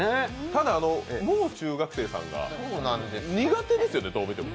ただ、もう中学生さんが苦手ですよね、どう見ても。